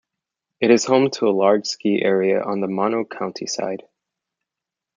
It is home to a large ski area on the Mono County side.